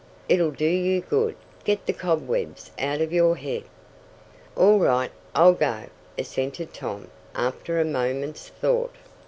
It'll do you good get the cobwebs out of your head." "All right, I'll go," assented Tom, after a moment's thought.